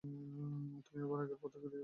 তুমি আবার আগের পথে ফিরে যাচ্ছো।